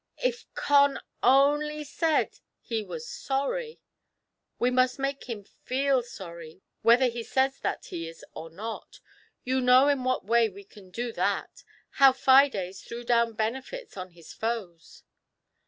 " If Con only said that he was sorry "—" We must make him feel sorry, whether he says that he is so, or not. You know in what way we can do that — how Fides threw down Benefits on his foes."